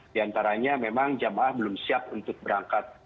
di antaranya memang jamaah belum siap untuk berangkat